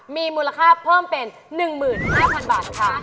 มีมูลค่าเพิ่มเป็น๑๕๐๐๐บาทค่ะ